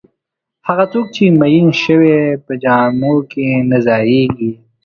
هغه څوک چې میین شوی په جامو کې نه ځایېږي.